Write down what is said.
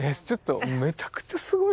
めちゃくちゃすごい。